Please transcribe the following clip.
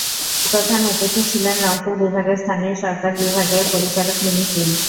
প্রধান অতিথি ছিলেন রংপুর বিভাগের স্থানীয় সরকার বিভাগের পরিচালক মিনু শীল।